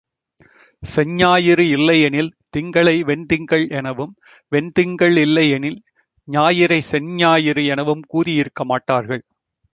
செஞ்ஞாயிறு இல்லையெனில் திங்களை வெண் திங்கள் எனவும், வெண் திங்கள் இல்லையெனில் ஞாயிறை செஞ்ஞாயிறு எனவும் கூறியிருக்க மாட்டார்கள்.